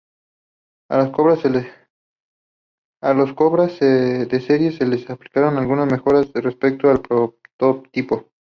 A los Cobra de serie se les aplicaron algunas mejoras respecto al prototipo.